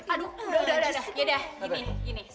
aduh udah udah udah udah gini gini